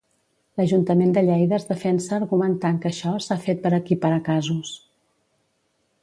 L'Ajuntament de Lleida es defensa argumentant que això s'ha fet per equiparar casos.